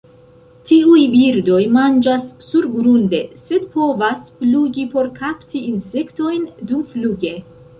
Tiuj birdoj manĝas surgrunde, sed povas flugi por kapti insektojn dumfluge.